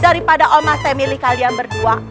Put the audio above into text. daripada oma saya milih kalian berdua